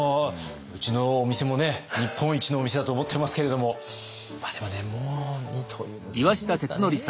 うちのお店もね日本一のお店だと思っていますけれどもまあでもねもう二刀流難しいですかね。